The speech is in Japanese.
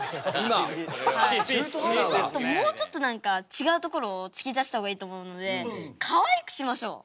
もうちょっと何かちがうところを突き出した方がいいと思うのでかわいくしましょう。